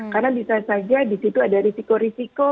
karena bisa saja disitu ada risiko risiko